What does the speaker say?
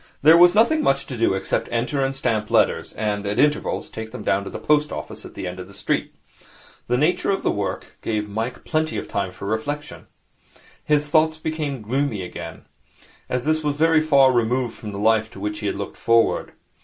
There was nothing much to do except enter and stamp letters, and, at intervals, take them down to the post office at the end of the street. The nature of the work gave Mike plenty of time for reflection. His thoughts became gloomy again. All this was very far removed from the life to which he had looked forward.